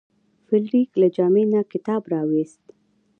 فلیریک له جامې نه کتاب راویوست.